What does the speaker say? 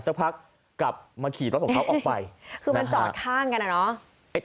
สักพักกลับมาขี่รถของเขาออกไปคือมันจอดข้างกันอ่ะเนอะ